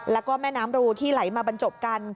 แล้วก็แม่น้ำรูที่ไหลมาบรรจบกัน